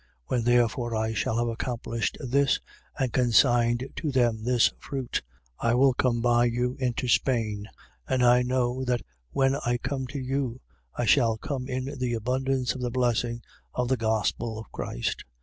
15:28. When therefore I shall have accomplished this and consigned to them this fruit, I will come by you into Spain. 15:29. And I know that when I come to you I shall come in the abundance of the blessing of the gospel of Christ. 15:30.